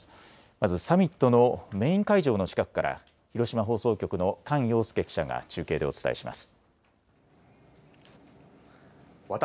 まずサミットのメイン会場の近くから、広島放送局の菅洋介記者が中継でお伝えします。